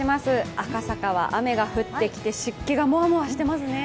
赤坂は雨が降ってきて、湿気がもわもわしていますね。